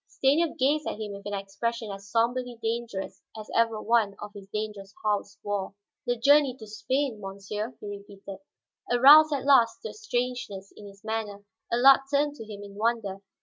Stanief gazed at him with an expression as somberly dangerous as ever one of his dangerous house wore. "The journey to Spain, monsieur?" he repeated. Aroused at last to a strangeness in his manner, Allard turned to him in wonder.